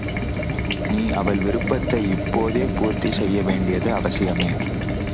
நீ அவள் விருப்பத்தை இப்போத பூர்த்தி செய்ய வேண்டியது அவசியமே.